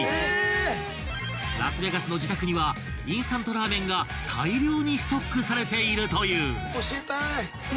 ［ラスベガスの自宅にはインスタントラーメンが大量にストックされているという］